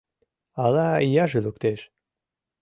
Ала ияже луктеш!